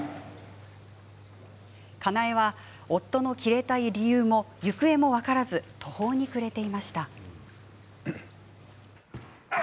かなえは、夫の消えた理由も行方も分からず途方に暮れていました。